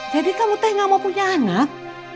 jadi kamu teh gak mau punya anak